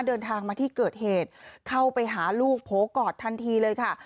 เดินทางมาที่เกิดเหตุเข้าไปหาลูกโผล่กอดทันทีเลยค่ะ